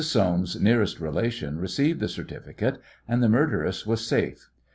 Soames's nearest relation received the certificate, and the murderess was safe.